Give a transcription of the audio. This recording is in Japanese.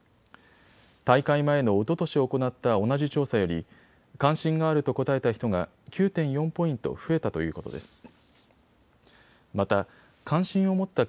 大会前のおととし行った同じ調査より関心があると答えた人が９．４ポイント増えたということです。